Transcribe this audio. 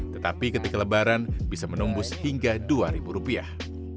tetapi ketika lebaran bisa menumbus hingga dua rupiah